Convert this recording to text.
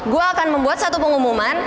gue akan membuat satu pengumuman